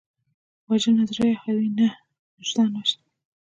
وژنه زړه یخوي نه، وجدان وژني